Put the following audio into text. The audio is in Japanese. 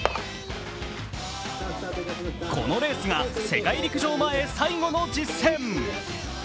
このレースが世界陸上前最後の実戦。